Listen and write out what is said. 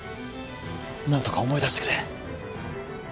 何とか思い出してくれ。